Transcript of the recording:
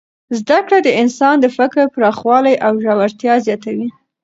زده کړه د انسان د فکر پراخوالی او ژورتیا زیاتوي.